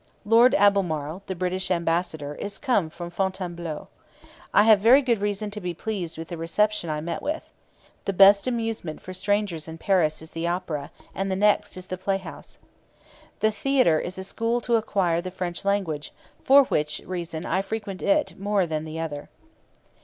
Lord Albemarle [the British ambassador] is come from Fontainebleau. I have very good reason to be pleased with the reception I met with. The best amusement for strangers in Paris is the Opera, and the next is the playhouse. The theatre is a school to acquire the French language, for which reason I frequent it more than the other.